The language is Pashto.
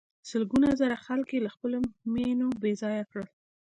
سلګونه زره خلک یې له خپلو مېنو بې ځایه کړل.